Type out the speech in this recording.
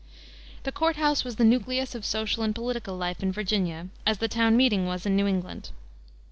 The court house was the nucleus of social and political life in Virginia as the town meeting was in New England.